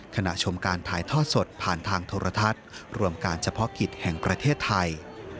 ชมการถ่ายทอดสดผ่านทางโทรทัศน์รวมการเฉพาะกิจแห่งประเทศไทย